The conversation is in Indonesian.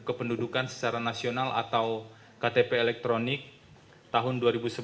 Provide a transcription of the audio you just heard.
kependudukan secara nasional atau ktp elektronik tahun dua ribu sebelas dua ribu dua belas